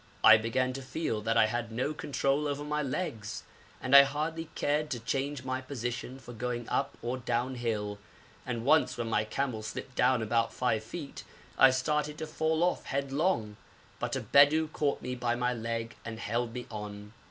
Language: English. I began to feel that I had no control over my legs and I hardly cared to change my position for going up or down hill, and once when my camel slipped down about 5 feet, I started to fall off headlong, but a Bedou caught me by my leg and held me on.